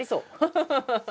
ハハハハ！